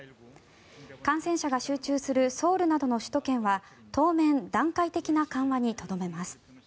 感染者が集中するソウルなどの首都圏は当面、段階的な緩和にとどめます。